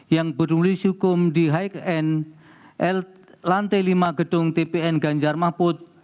yang berdiri di hkn lantai lima gedung tpn ganjar mahfud